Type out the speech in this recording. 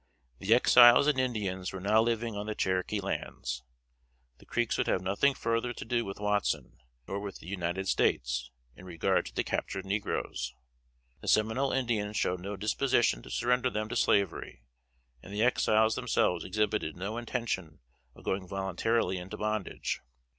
The Exiles and Indians were now living on the Cherokee lands. The Creeks would have nothing further to do with Watson, nor with the United States, in regard to the captured negroes. The Seminole Indians showed no disposition to surrender them to slavery, and the Exiles themselves exhibited no intention of going voluntarily into bondage.